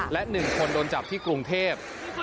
และ๑คนโดนจับที่กรุงเทพ